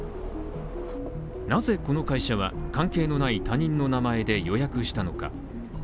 なぜこの会社は関係のない他人の名前で予約したのか。